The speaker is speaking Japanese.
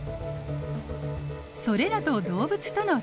それらと動物とのちがい。